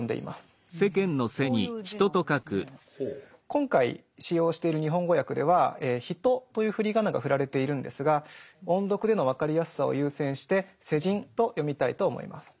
今回使用している日本語訳では「ひと」という振り仮名が振られているんですが音読での分かりやすさを優先して「せじん」と読みたいと思います。